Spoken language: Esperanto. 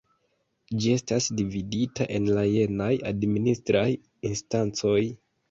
Ĝi estas dividita en la jenaj administraj instancoj.